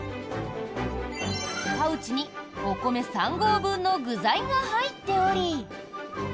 パウチにお米３合分の具材が入っており。